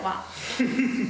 フフフフ！